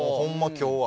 今日は。